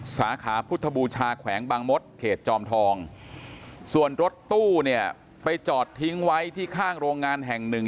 สาขาพุทธบูชาแขวงบางมดเขตจอมทองส่วนรถตู้เนี่ยไปจอดทิ้งไว้ที่ข้างโรงงานแห่งหนึ่ง